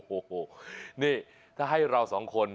โอ้โหนี่ถ้าให้เราสองคน